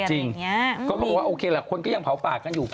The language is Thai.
จริงก็บอกว่าโอเคละคนก็ยังเผาปากกันอยู่